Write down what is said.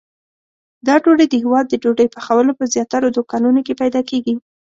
دا ډوډۍ د هیواد د ډوډۍ پخولو په زیاترو دوکانونو کې پیدا کېږي.